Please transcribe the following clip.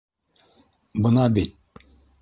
Бына бит.